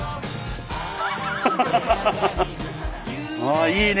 あいいね！